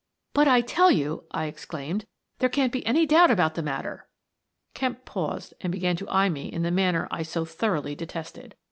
" But I tell you," I exclaimed, " there can't be any doubt about the matter! " Kemp paused and began to eye me in the manner I so thoroughly detested.